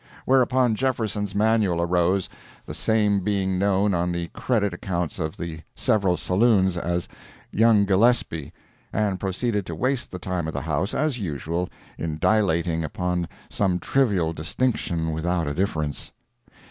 Whereupon Jefferson's Manual arose the same being known on the credit accounts of the several saloons as "Young Gillespie"—and proceeded to waste the time of the House, as usual, in dilating upon some trivial distinction without a difference.